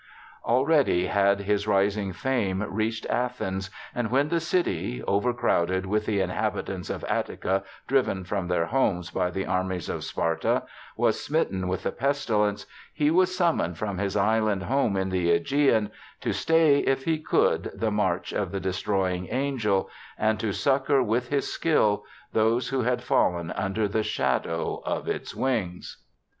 Already had his rising fame reached Athens, and when the city, overcrowded with the inhabitants of Attica, driven from their homes by the armies of Sparta, was smitten with the pestilence, he was summoned from his island home in the ^Egean, to stay, if he could, the march of the destroying angel, and to succor with his skill those who had fallen under the shadow of its wings.